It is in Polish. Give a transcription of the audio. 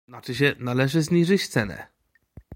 "Znaczy się należy „zniżyć cenę“."